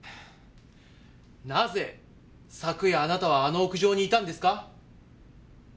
なぜ昨夜あなたはあの屋上にいたんですか？